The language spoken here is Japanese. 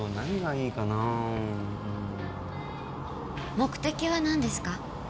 目的はなんですか？